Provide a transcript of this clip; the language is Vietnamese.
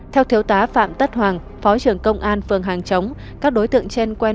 theo thiếu tá phạm tất hoàng phó trưởng công an phường hàng chống